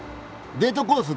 デートコース